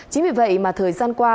chính vì vậy mà thời gian qua